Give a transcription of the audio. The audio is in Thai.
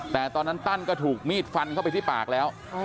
แต่ตอนนั้นตั้นก็ถูกมีดฟันเข้าไปที่ปากแล้ว